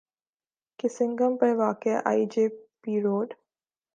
کے سنگم پر واقع آئی جے پی روڈ